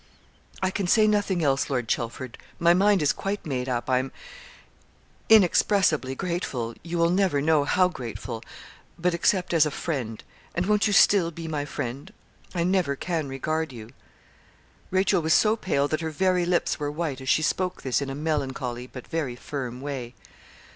'I can say nothing else, Lord Chelford. My mind is quite made up I am inexpressibly grateful you will never know how grateful but except as a friend and won't you still be my friend? I never can regard you.' Rachel was so pale that her very lips were white as she spoke this in a melancholy but very firm way.